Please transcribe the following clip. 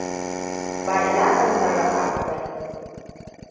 Ba ina son sarrafa ka bane.